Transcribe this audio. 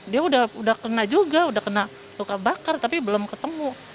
dia udah kena juga udah kena luka bakar tapi belum ketemu